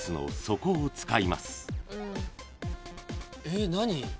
えっ何？